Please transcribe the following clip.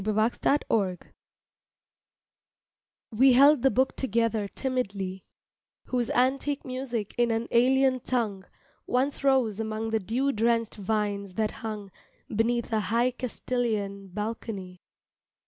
TO A CASTILIAN SONG WE held the book together timidly, Whose antique music in an alien tongue Once rose among the dew drenched vines that hung Beneath a high Castilian balcony.